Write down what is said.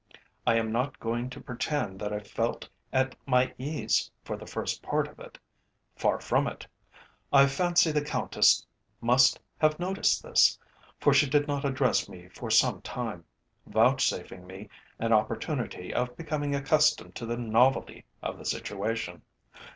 I am not going to pretend that I felt at my ease for the first part of it. Far from it. I fancy the Countess must have noticed this, for she did not address me for some time, vouchsafing me an opportunity of becoming accustomed to the novelty of the situation.